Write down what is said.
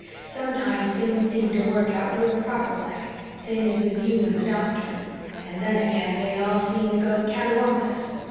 Sometimes things seem to work out real proper like, same as with you and the doctor. And then again they all seem to go catawampus.